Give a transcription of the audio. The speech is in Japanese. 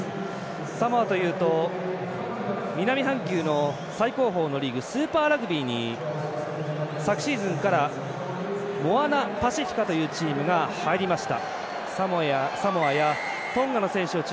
サモアというと南半球の最高峰のリーグスーパーラグビーに昨シーズンからモアナパシフィカというチームが入りました。